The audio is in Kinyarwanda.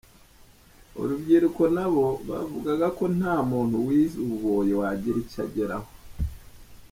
Urubyiruko na bo bavugaga ko nta muntu wize ububoyi wagira icyo ageraho.